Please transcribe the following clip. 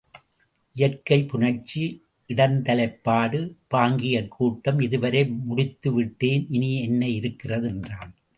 இயற்கைப்புணர்ச்சி, இடந்தலைப்பாடு, பாங்கியிற் கூட்டம் இதுவரை முடித்து விட்டேன். இனி என்ன இருக்கிறது? என்றான்.